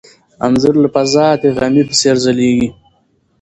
انځور له فضا د غمي په څېر ځلېږي.